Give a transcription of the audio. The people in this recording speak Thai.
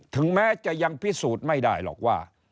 ถึงแม้จะยังพิสูจน์ไม่ได้หรอกว่า